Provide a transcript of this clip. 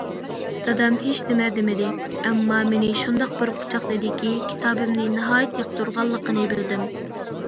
دادام ھېچنېمە دېمىدى، ئەمما مېنى شۇنداق بىر قۇچاقلىدىكى، كىتابىمنى ناھايىتى ياقتۇرغانلىقىنى بىلدىم.